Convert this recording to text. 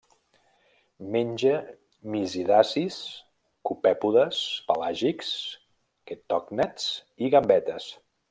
Menja misidacis, copèpodes pelàgics, quetògnats i gambetes.